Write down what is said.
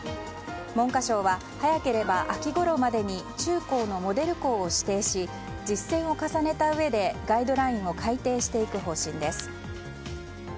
文科省は早ければ秋ごろまでに中高のモデル校を指定し実践を重ねたうえでガイドラインを改定していく方針です。